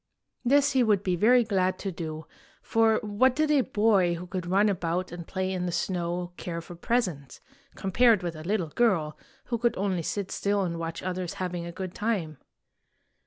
This he would be very glad to do; for what did a boy who could run about and play in the snow care for presents, compared with a little girl who could only sit still and watch others having a good time?